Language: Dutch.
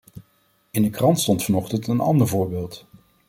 In de krant stond vanochtend een ander voorbeeld.